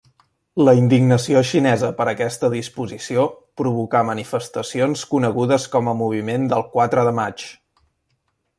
La indignació xinesa per aquesta disposició provocà manifestacions conegudes com a Moviment del quatre de maig.